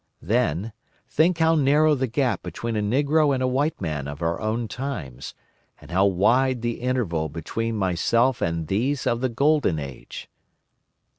Then, think how narrow the gap between a negro and a white man of our own times, and how wide the interval between myself and these of the Golden Age!